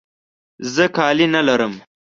زه کالي نه لرم.